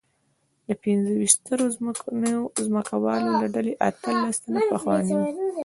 د پنځه ویشت سترو ځمکوالو له ډلې اتلس تنه پخواني وو.